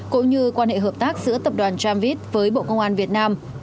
cũng như quan hệ hợp tác giữa tập đoàn tramvit với bộ công an việt nam